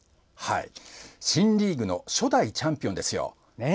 新リーグの初代チャンピオンですよ。